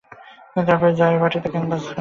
তারপরেই জয়ার বঁটিতে ক্যানভাসখানা ফালা হইয়া গেল।